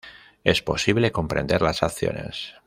Es posible comprender las acciones.